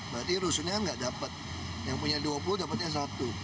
berarti rusunnya nggak dapat yang punya dua puluh dapatnya satu